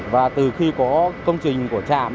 và từ khi có công trình của trạm